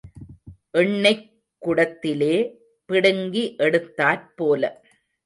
எண்ணெய்க் குடத்திலே பிடுங்கி எடுத்தாற் போல.